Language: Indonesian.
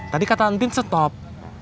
tadi kata antin stop